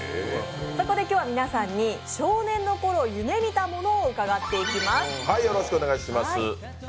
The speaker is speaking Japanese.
そこで今日は皆さんに少年のころ夢見たものを伺っていきます。